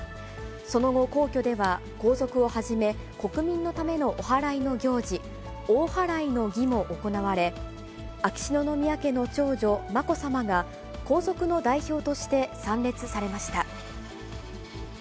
その後、皇居では皇族をはじめ、国民のためのおはらいの行事、大祓の儀も行われ、秋篠宮家の長女、まこさまが皇族の代表として参列されました。